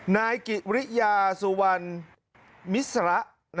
นายกิริยาสุวรรณมิสระ